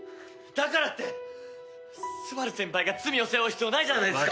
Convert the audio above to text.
だからって昴先輩が罪を背負う必要ないじゃないですか。